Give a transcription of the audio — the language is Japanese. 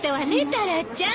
タラちゃん。